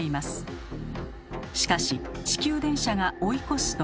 しかし地球電車が追い越す時。